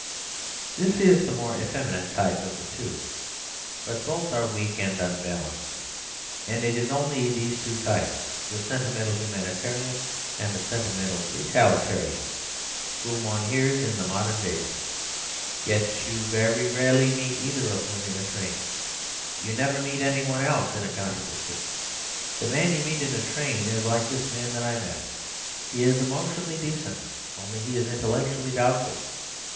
This is the more effeminate type of the two; but both are weak and unbalanced. And it is only these two types, the sentimental humanitarian and the sentimental brutalitarian, whom one hears in the modern babel. Yet you very rarely meet either of them in a train. You never meet anyone else in a controversy. The man you meet in a train is like this man that I met: he is emotionally decent, only he is intellectually doubtful.